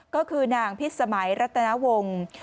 ก็คือนางพิษสมัยรัตนวงศ์